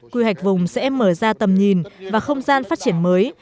quy hoạch vùng sẽ mở ra tầm nhìn và không gian phát triển mới